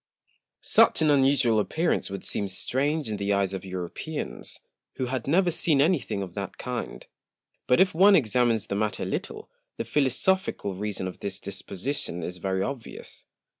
Such an unusual Appearance would seem strange in the Eyes of Europeans, who had never seen any thing of that kind; but if one examines the Matter a little, the philosophical Reason of this Disposition is very obvious.